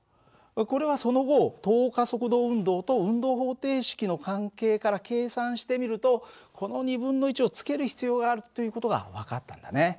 これはその後等加速度運動と運動方程式の関係から計算してみるとこのをつける必要があるという事が分かったんだね。